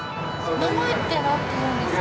名前って何ていうんですか？